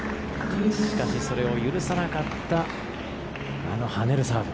しかしそれを許さなかったあの跳ねるサーブ。